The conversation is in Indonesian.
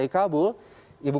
yang berhasil menguasai kabul